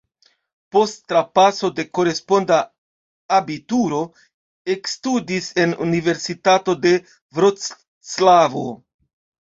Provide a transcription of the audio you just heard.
Post trapaso de koresponda abituro ekstudis en Universitato de Vroclavo.